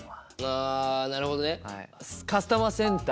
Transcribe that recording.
あなるほど。